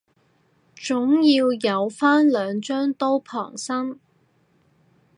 總要有返兩張刀傍身